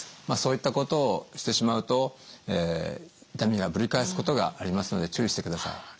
まあそういったことをしてしまうと痛みがぶり返すことがありますので注意してください。